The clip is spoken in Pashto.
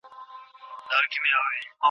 له سکروټو څخه تور لوګي پورته کېدل.